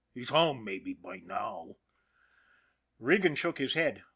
He's home, mabbe, by now." Regan shook his head.